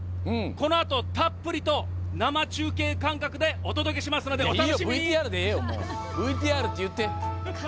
このあと、たっぷりと生中継感覚でお届けしますのでお楽しみに！